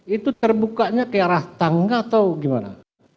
itu terbukanya ke arah tangga atau gimana